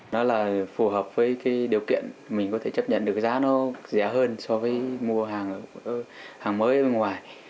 nó là phù hợp với điều kiện mình có thể chấp nhận được giá nó rẻ hơn so với mua hàng mới ở ngoài